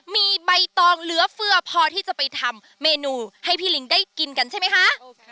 มีใบตองเหลือเฟือพอที่จะไปทำเมนูให้พี่ลิงได้กินกันใช่ไหมคะ